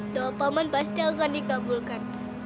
doa paman pasti akan dikabulkan